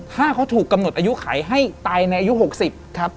ถ้าเขาถูกกำหนดอายุไขให้ตายในอายุ๖๐ครับ